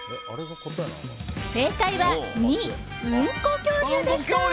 正解は２、うんこ恐竜でした。